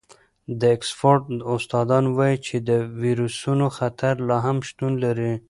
د اکسفورډ استادان وايي چې د وېروسونو خطر لا هم شتون لري.